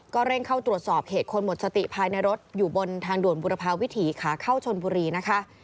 เร่งเข้าตรวจสอบเหตุคนหมดสติภายในรถอยู่บนทางด่วนบุรพาวิถีขาเข้าชนบุรีนะคะ